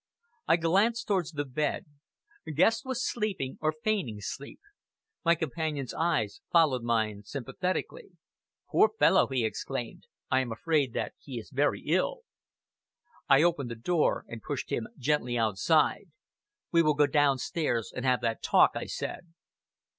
I glanced towards the bed. Guest was sleeping, or feigning sleep. My companion's eyes followed mine sympathetically. "Poor fellow!" he exclaimed. "I am afraid that he is very ill!" I opened the door and pushed him gently outside. "We will go downstairs and have that talk," I said.